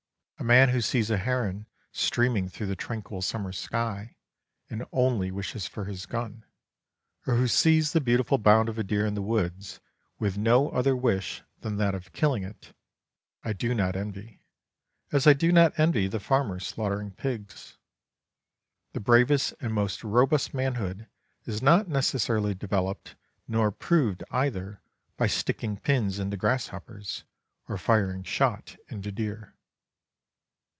A man who sees a heron streaming through the tranquil summer sky and only wishes for his gun, or who sees the beautiful bound of a deer in the woods with no other wish than that of killing it, I do not envy, as I do not envy the farmer slaughtering pigs. The bravest and most robust manhood is not necessarily developed nor proved either by sticking pins into grasshoppers or firing shot into deer.